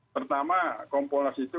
pertama kompolas itu